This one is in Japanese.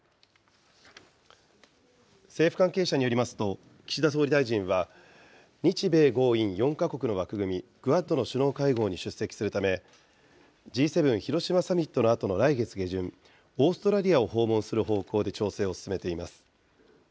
政府関係者によりますと、岸田総理大臣は、日米豪印４か国の枠組み、クアッドの首脳会合に出席するため、Ｇ７広島サミットのあとの来月下旬、オーストラリアを訪問する方向で調整を進めています。